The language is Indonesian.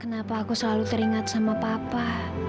kenapa aku selalu teringat sama papa